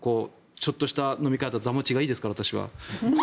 ちょっとした飲み会だと座持ちがいいですから、私は。